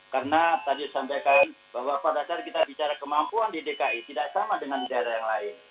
karena tadi disampaikan bahwa pada saat kita bicara kemampuan di dki tidak sama dengan di daerah yang lain